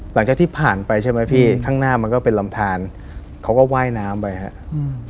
หลังจากที่ผ่านไปใช่ไหมพี่ข้างหน้ามันก็เป็นลำทานเขาก็ว่ายน้ำไปครับอืม